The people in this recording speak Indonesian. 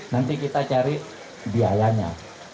nanti kita cari biayanya